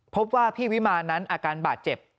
พบว่าพี่วิมานั้นอาการบาดเจ็บ